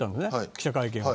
記者会見を。